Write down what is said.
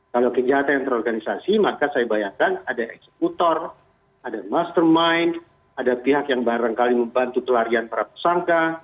kalau kejahatan yang terorganisasi maka saya bayangkan ada eksekutor ada mastermind ada pihak yang barangkali membantu pelarian para tersangka